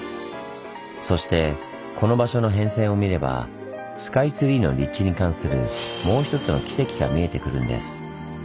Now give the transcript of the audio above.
そしてこの場所の変遷を見ればスカイツリーの立地に関するもう一つの奇跡が見えてくるんです。